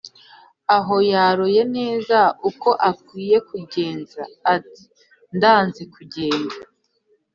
Aho yaroye nezaUko akwiye kugenza, Ati : ndanze kugenda